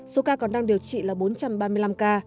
số ca còn đang điều trị là bốn trăm ba mươi năm ca